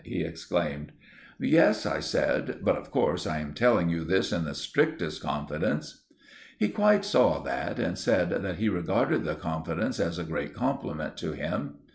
he exclaimed. "Yes," I said; "but of course I am telling you this in the strictest confidence." He quite saw that, and said that he regarded the confidence as a great compliment to him.